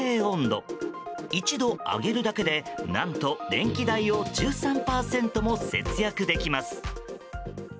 １度上げるだけで、何と電気代を１３％も節約できます。